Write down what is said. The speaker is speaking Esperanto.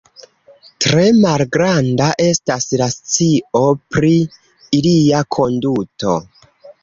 Tre malgranda estas la scio pri ilia konduto.